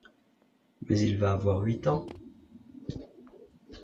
Mais il va avoir huit ans…